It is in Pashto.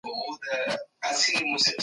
ایا زموږ قضاوتونه سم دي؟